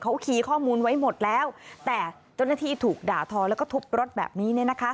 เขาคีย์ข้อมูลไว้หมดแล้วแต่เจ้าหน้าที่ถูกด่าทอแล้วก็ทุบรถแบบนี้เนี่ยนะคะ